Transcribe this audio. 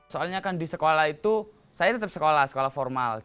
soalnya kan di sekolah itu saya tetap sekolah sekolah formal